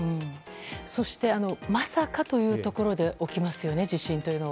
そして、まさかというところで起きますよね、地震というのは。